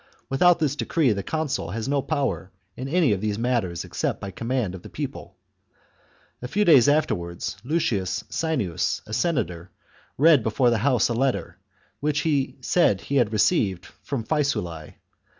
Without this decree the consul has no powers in any of these matters except by command of the people. A few chap. days afterwards, Lucius Saenius, a senator, read before the House a letter which he said he had received from Faesulae.